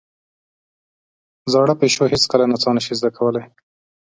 زاړه پيشو هېڅکله نڅا نه شي زده کولای.